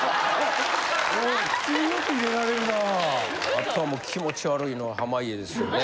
あとは気持ち悪いのは濱家ですよね。